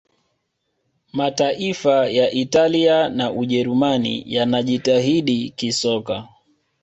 mataifa ya italia na ujerumani yanajitahidi kisoka